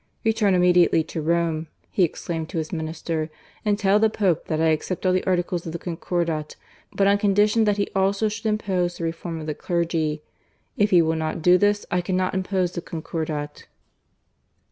" Return immediately to Rome,'* he ex claimed to his Minister, " and tell the Pope that I accept all the articles of the Concordat, but on condition that he also should impose the reform of the clergy. If he will not do this I cannot impose the Concordat."